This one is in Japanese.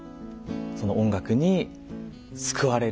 その音楽に救われる。